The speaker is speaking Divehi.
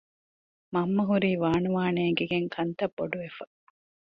މަންމަ ހުރީ ވާނުވާ ނޭގިގެން ކަންތައް ބޮޑުވެފަ